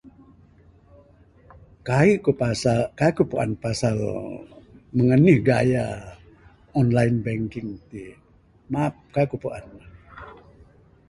Kaii ku pasal...kaii ku puan pasal meng anih gaya online bank in ti...ma...kaii ku puan ne.